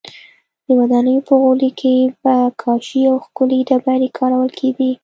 د ودانیو په غولي کې به کاشي او ښکلې ډبرې کارول کېدې